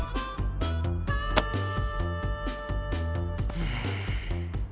うん。